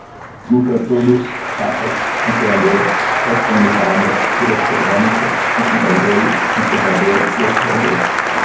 micro-tubos, chapas, controlador, teflonizada, pirocerâmica, concentradores, concentrador, destilador